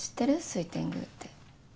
水天宮って？